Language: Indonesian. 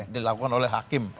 dilakukan oleh hakim